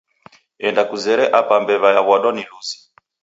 Enda kuzere apa mbew'a yawa'dwa ni luzi